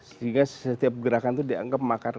sehingga setiap gerakan itu dianggap makar